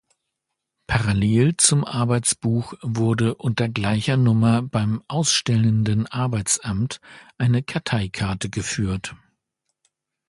Parallel zum Arbeitsbuch wurde unter gleicher Nummer beim ausstellenden Arbeitsamt eine Karteikarte geführt.